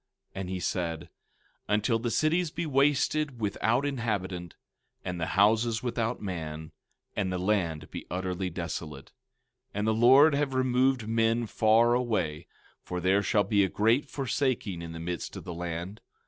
And he said: Until the cities be wasted without inhabitant, and the houses without man, and the land be utterly desolate; 16:12 And the Lord have removed men far away, for there shall be a great forsaking in the midst of the land.